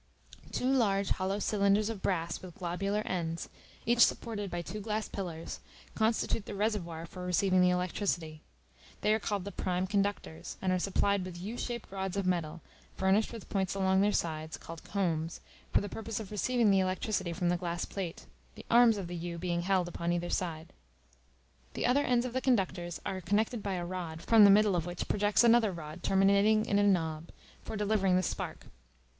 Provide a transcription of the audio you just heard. Two large hollow cylinders of brass with globular ends, each supported by two glass pillars, constitute the reservoir for receiving the electricity. They are called the prime conductors, and are supplied with U shaped rods of metal, furnished with points along their sides, called combs, for the purpose of receiving the electricity from the glass plate, the arms of the U being held upon either side. The other ends of the conductors are connected by a rod from the middle of which projects another rod terminating in a knob, for delivering the spark.